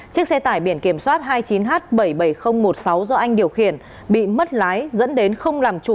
chiếc xe tải biển kiểm soát hai mươi chín h bảy mươi bảy nghìn một mươi sáu do anh điều khiển bị mất lái dẫn đến không làm chủ